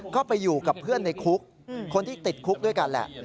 ก็ไปอยู่กับเพื่อนในคุกคนที่ติดคุกด้วยกันแหละ